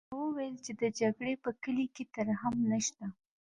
هغه وویل چې د جګړې په کلي کې ترحم نشته